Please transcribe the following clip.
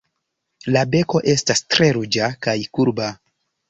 La beko estas tre ruĝa, kaj kurba.